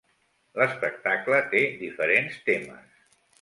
L'espectacle té diferents temes.